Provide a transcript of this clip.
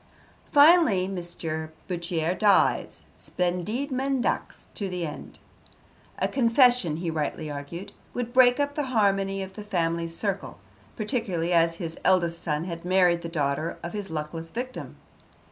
Finally, Mr. Bourchier dies, splendide mendax to the end. A confession, he rightly argued, would break up the harmony of the family circle, particularly as his eldest son had married the daughter of his luckless victim.